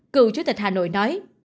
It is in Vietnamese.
cựu chủ tịch hà nội nói